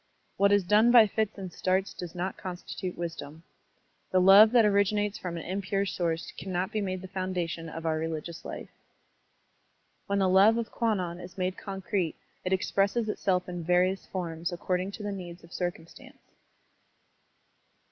What is done by fits and starts does not constitute wisdom. The love that originates from an impure source cannot be made the foundation of our religious Ufe. When the love of Kwannon is made concrete, it expresses itself in various forms according to the needs of circtmistance.